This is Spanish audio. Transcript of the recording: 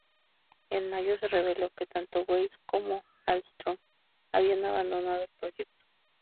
En mayo se reveló que tanto Weisz como Hallström habían abandonado el proyecto.